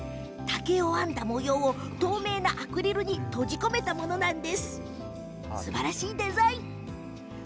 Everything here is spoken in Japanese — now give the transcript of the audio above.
編んだ竹の模様を透明なアクリルに閉じ込めたデザインです。